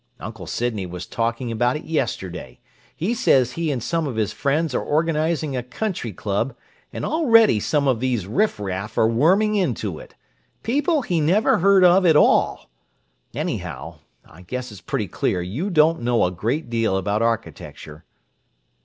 Uncle Sydney was talking about it yesterday: he says he and some of his friends are organizing a country club, and already some of these riffraff are worming into it—people he never heard of at all! Anyhow, I guess it's pretty clear you don't know a great deal about architecture."